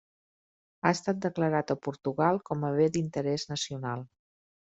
Ha estat declarat a Portugal com a bé d'interès nacional.